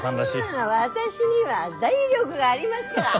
まあ私には財力がありますから。